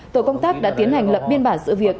tổ công tác đã tiến hành lập biên bản sự việc